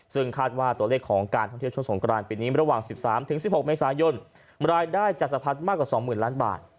ซึ่งคาดว่าตัวเลขของการท่องเที่ยวช่วงสงกรานปีนี้ระหว่าง๑๓๑๖เมษายนรายได้จะสะพัดมากกว่า๒๐๐๐ล้านบาท